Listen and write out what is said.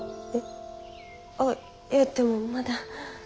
あっいやでもまだ。